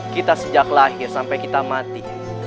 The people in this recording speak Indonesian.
kita sejak lahir sampai kita mati